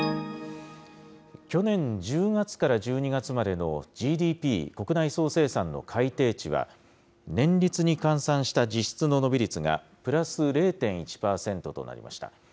去年１０月から１２月までのＧＤＰ・国内総生産の改定値は、年率に換算した実質の伸び率がプラス０．１％となりました。